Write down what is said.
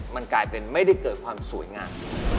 มันกลายเป็นไม่ได้เกิดความสวยงาม